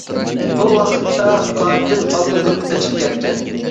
بۇ ۋاقىتتا قاتىل ئاللىبۇرۇن قېچىپ كەتكەن.